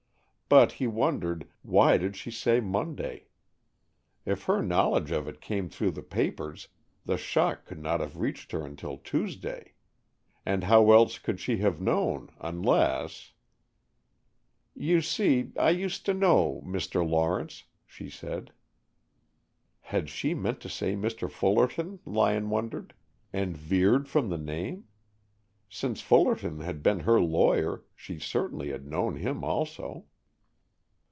But, he wondered, why did she say Monday? If her knowledge of it came through the papers, the shock could not have reached her until Tuesday. And how else could she have known, unless "You see, I used to know Mr. Lawrence," she said. (Had she meant to say Mr. Fullerton, Lyon wondered, and veered from the name? Since Fullerton had been her lawyer, she certainly had known him, also.)